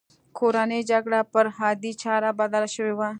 کورنۍ جګړه پر عادي چاره بدله شوې وه